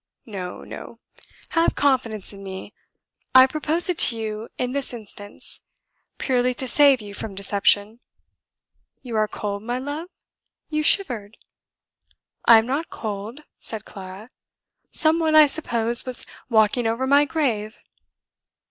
No, no. Have confidence in me. I propose it to you in this instance, purely to save you from deception. You are cold, my love? you shivered." "I am not cold," said Clara. "Some one, I suppose, was walking over my grave."